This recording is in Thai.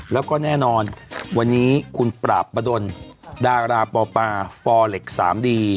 แล้วก็แน่นอนวันนี้คุณปราบประดนดาราปอปาฟอเล็กสามดี